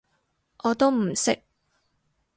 我都唔識